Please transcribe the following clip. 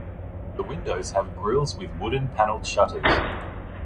The windows have grills with wooden paneled shutters.